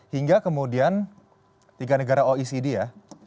hingga kemudian tiga negara oecd ya